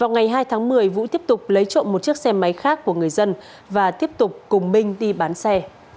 ngày hai tháng một mươi vũ tiếp tục lấy trộm một chiếc xe máy khác của người dân và tiếp tục cùng minh đi bán xe